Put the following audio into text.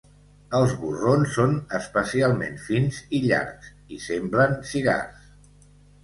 Els borrons són especialment fins i llargs i semblen cigars.